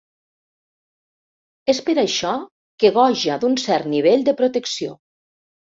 És per això que goja d'un cert nivell de protecció.